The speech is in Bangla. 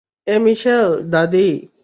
এ মিশেল, দাদি।